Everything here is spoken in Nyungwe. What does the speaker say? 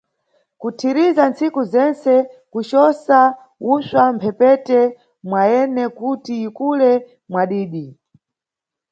Kuthirizira ntsiku zentse, kucosa usva mʼmphepete mwayene kuti ikule mwa didi.